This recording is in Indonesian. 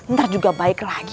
ntar juga baik lagi